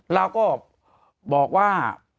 เราก็บอกว่า